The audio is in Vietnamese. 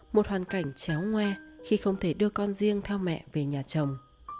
một hoàn cảnh chéo ngoe khi không thể đưa con riêng theo mẹ về nhà chồng